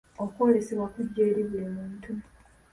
Okwolesebwa kujja eri buli muntu.